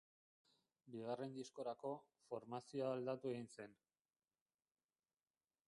Bigarren diskorako, formazioa aldatu egin zen.